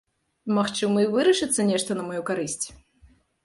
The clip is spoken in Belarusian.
Магчыма, і вырашыцца нешта на маю карысць.